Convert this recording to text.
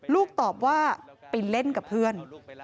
ลูกตอบว่าไปเล่นกับเพื่อน